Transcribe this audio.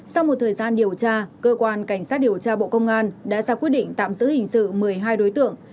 sau một thời gian điều tra cơ quan cảnh sát điều tra bộ công an đã ra quyết định tạm giữ hình sự một mươi hai đối tượng